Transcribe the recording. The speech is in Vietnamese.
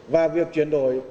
và việc chuyển đổi